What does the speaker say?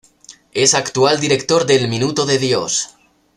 Es actual director del Minuto de Dios.